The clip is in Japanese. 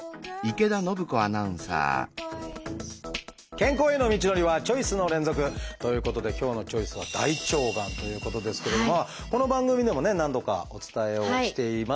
健康への道のりはチョイスの連続！ということで今日の「チョイス」はこの番組でもね何度かお伝えをしていますけれども。